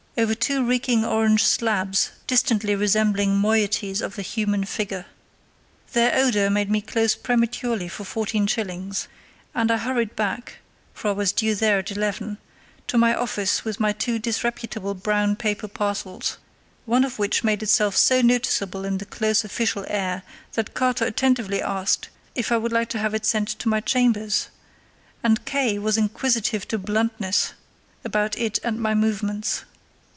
over two reeking orange slabs distantly resembling moieties of the human figure. Their odour made me close prematurely for 14_s_., and I hurried back (for I was due there at 11) to my office with my two disreputable brown paper parcels, one of which made itself so noticeable in the close official air that Carter attentively asked if I would like to have it sent to my chambers, and K—— was inquisitive to bluntness about it and my movements.